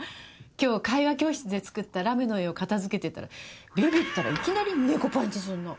今日絵画教室で作ったラメの絵を片づけてたらビビったらいきなり猫パンチするの。